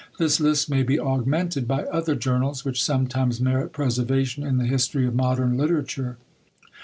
This list may be augmented by other journals, which sometimes merit preservation in the history of modern literature.